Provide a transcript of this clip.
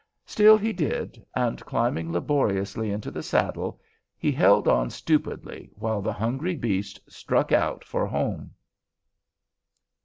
Still he did, and climbing laboriously into the saddle, he held on stupidly while the hungry beast struck out for home.